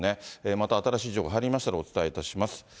また新しい情報が入りましたら、お伝えいたします。